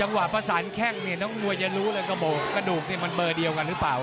หลังหวะประสานแค่งเนี่ยน้องมัวจะรู้เรื่องกระโบกกระดูกเนี่ยมันเบอร์เดียวกันหรือเปล่า